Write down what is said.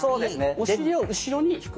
お尻を後ろに引く。